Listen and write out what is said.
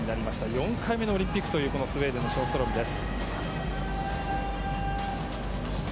４回目のオリンピックとなるスウェーデンのショーストロムです。